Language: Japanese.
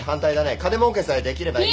金もうけさえできればいいのか？